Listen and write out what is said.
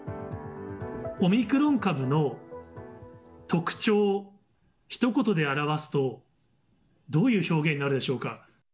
オミクロン株の特徴をひと言で表すと、どういう表現になるでしょうか。